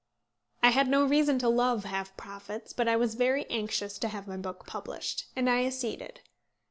I had no reason to love "half profits," but I was very anxious to have my book published, and I acceded.